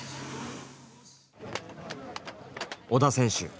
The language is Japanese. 織田選手